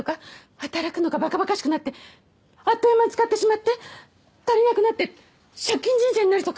働くのがバカバカしくなってあっという間に使ってしまって足りなくなって借金人生になるとか？